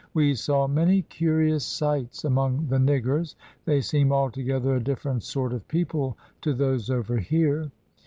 We saw many curious sights among the niggers; they seem altogether a different sort of people to those over here.